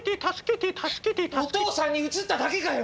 お父さんに移っただけかよ！